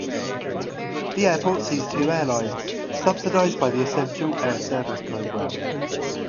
The airport sees two airlines, subsidized by the Essential Air Service program.